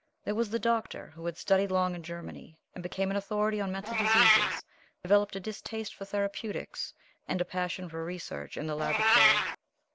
There was the Doctor, who had studied long in Germany, and become an authority on mental diseases, developed a distaste for therapeutics, and a passion for research and the laboratory.